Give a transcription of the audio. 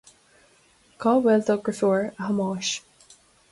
Cá bhfuil do dheirfiúr, a Thomáis